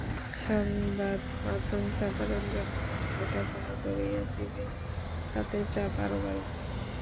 সংবাদমাধ্যম, সাধারণ জনগণ এটা মনে করিয়ে দেবেই, তাতে চাপ আরও বাড়বে।